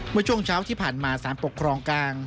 เมื่อช่วงเช้าที่ผ่านมาสารปกครองกลาง